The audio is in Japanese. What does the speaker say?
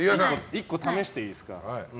１個試していいですか。